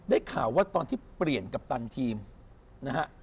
ข่าวว่าตอนที่เปลี่ยนกัปตันทีมนะฮะ